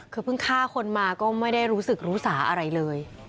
คือเพิ่งฆ่าคนมาก็ไม่ได้รู้สึกรู้สาอะไรเลย